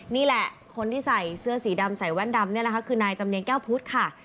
นี่แหละคนที่ใส่เสื้อสีดำใส่แว่นดำนี่แหละค่ะคือนายจำเนียนแก้วพุทธค่ะ